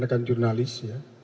dan juga kepada jurnalis ya